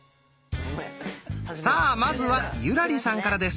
さあまずは優良梨さんからです。